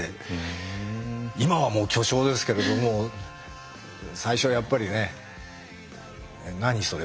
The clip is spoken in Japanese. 今はもう巨匠ですけれども最初はやっぱりね「何それ？」